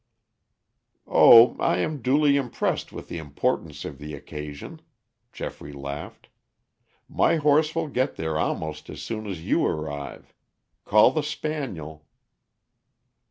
"Oh, I am duly impressed with the importance of the occasion," Geoffrey laughed. "My horse will get there almost as soon as you arrive. Call the spaniel."